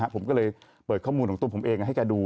ผมก็เลยเปิดข้อมูลของตัวผมเองให้แกดู